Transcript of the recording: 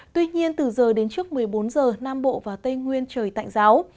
tuy nhiên từ giờ đến trước một mươi bốn giờ nam bộ và tây nguyên trời tạnh giáo